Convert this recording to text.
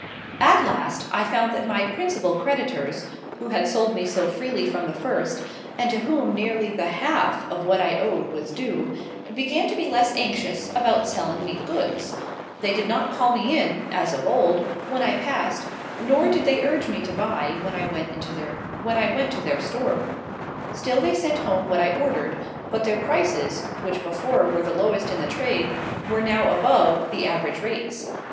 At last, I found that my principal creditors, who had sold me so freely from the first, and to whom nearly the half of what I owed was due, began to be less anxious about selling me goods. They did not call me in, as of old, when I passed, nor did they urge me to buy when I went to their store. Still they sent home what I ordered; but their prices, which before were the lowest in the trade, were now above the average rates.